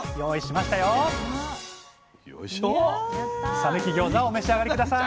讃岐ギョーザをお召し上がり下さい。